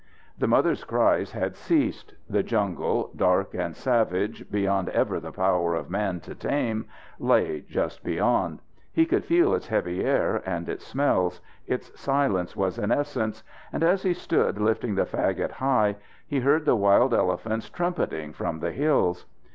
The mother's cries had ceased. The jungle, dark and savage beyond ever the power of man to tame, lay just beyond. He could feel its heavy air, its smells; its silence was an essence. And as he stood, lifting the fagot high, he heard the wild elephants trumpeting from the hills.